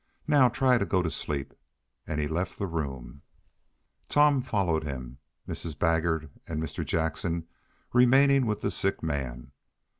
Now try to go to sleep." And he left the room. Tom followed him, Mrs. Baggert and Mr. Jackson remaining with the sick man.